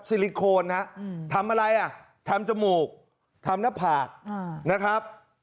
ซิลิโคนฮะทำอะไรอ่ะทำจมูกทำหน้าผากนะครับ